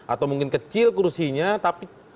atau mungkin kecil kursinya tapi